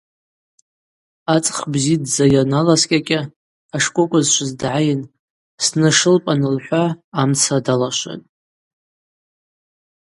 Ацӏх бзидздза йаналаскӏьакӏьа ашкӏвокӏва зшвыз дгӏайын, снашылпӏ – анылхӏва амца далашватӏ.